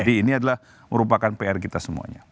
jadi ini adalah merupakan pr kita semuanya